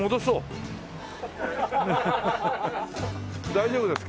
大丈夫ですか？